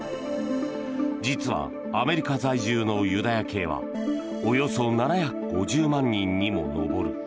実は、アメリカ在住のユダヤ系はおよそ７５０万人にも上る。